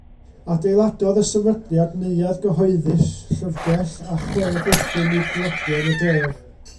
Adeiladodd y sefydliad neuadd gyhoeddus, llyfrgell a chwe bwthyn i dlodion y dref.